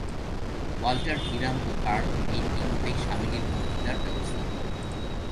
Walter, Hiram ও Carl এই তিন ভাই স্বামীজীর বক্তৃতার ব্যবস্থা করেন।